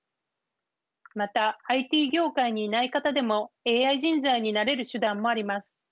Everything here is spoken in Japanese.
またＩＴ業界にいない方でもＡＩ人材になれる手段もあります。